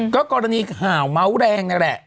ก็กรณีข่าวเมาส์แรงนั่นแหละ